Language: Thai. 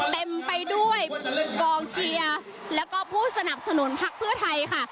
เต็มไปด้วยกองเชียร์แล้วก็ผู้สนับสนุนพักเพื่อไทยค่ะ